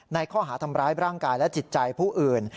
ในข้อหาทำร้ายร่างกายและจิตใจผู้อื่น